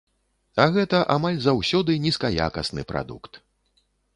А гэта, амаль заўсёды, нізкаякасны прадукт.